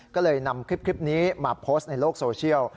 ก็เลยนำคลิปนี้มาโพสต์ในโลกโซเชียล